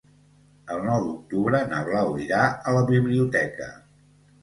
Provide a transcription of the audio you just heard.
El nou d'octubre na Blau irà a la biblioteca.